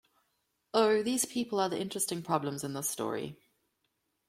Oh, these people are the interesting problems in this story.